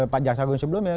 pak jaksa agung sebelumnya